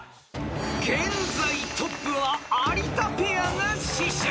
［現在トップは有田ペアが死守］